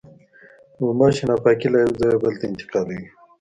غوماشې ناپاکي له یوه ځایه بل ته انتقالوي.